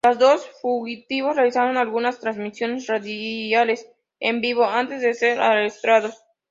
Los dos fugitivos realizaron algunas transmisiones radiales en vivo antes de ser arrestados.